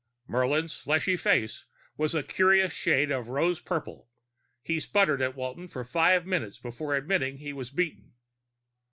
Murlin's fleshy face was a curious shade of rose purple; he sputtered at Walton for five minutes before admitting he was beaten.